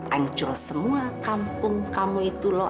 hancur semua kampung kamu itu loh